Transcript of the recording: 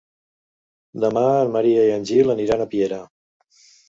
Demà en Maria i en Gil aniran a Piera.